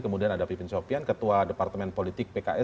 kemudian ada pipin sopian ketua departemen politik pks